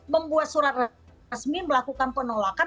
membuat surat resmi melakukan penolakan